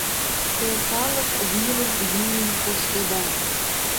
Те калык вӱрым йӱын коштыда!..